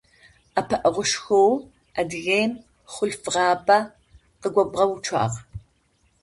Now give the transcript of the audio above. Ӏэпыӏэгъушхоу Адыгеем хъулъфыгъабэ къыгобгъэуцуагъ.